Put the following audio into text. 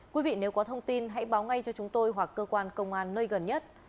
quý vị nếu có thông tin hãy báo ngay cho chúng tôi hoặc cơ quan công an nơi gần nhất